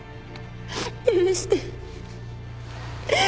許して。